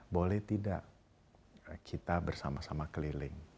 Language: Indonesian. boleh tidak kita bersama sama keliling